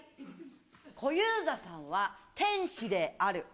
小遊三さんは天使である。